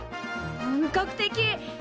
本格的！え